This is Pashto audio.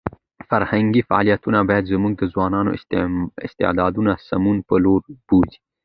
فرهنګي فعالیتونه باید زموږ د ځوانانو استعدادونه د سمون په لور بوځي.